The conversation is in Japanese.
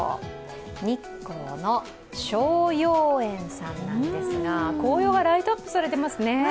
日光の逍遥園さんなんですが、紅葉がライトアップされていますね。